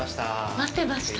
待ってました。